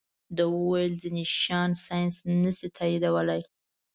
ده ویل ځینې شیان ساینس نه شي تائیدولی.